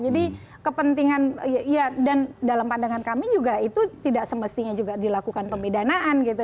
jadi kepentingan ya dan dalam pandangan kami juga itu tidak semestinya juga dilakukan pemidanaan gitu